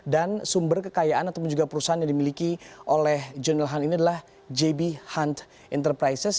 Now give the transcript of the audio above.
dan sumber kekayaan ataupun juga perusahaan yang dimiliki oleh jonel hunt ini adalah jb hunt enterprises